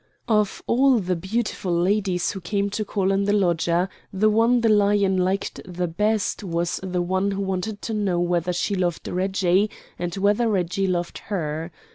Of all the beautiful ladies who came to call on the lodger the one the Unicorn liked the best was the one who wanted to know whether she loved Reggie and whether Reggie loved her.